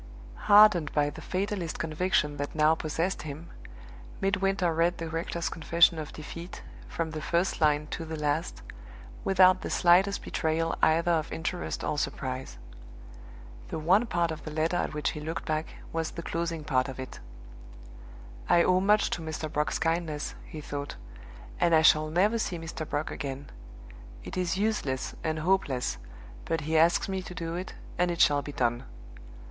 Hardened by the fatalist conviction that now possessed him, Midwinter read the rector's confession of defeat, from the first line to the last, without the slightest betrayal either of interest or surprise. The one part of the letter at which he looked back was the closing part of it. "I owe much to Mr. Brock's kindness," he thought; "and I shall never see Mr. Brock again. It is useless and hopeless; but he asks me to do it, and it shall be done.